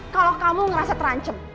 kalau kamu ngerasa terancam